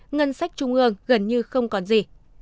ngân sách trung ương gần như không còn gì